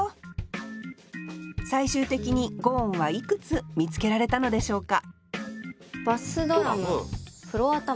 最終的に五音はいくつ見つけられたのでしょうか？